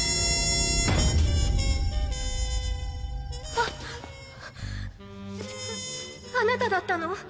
ああなただったの？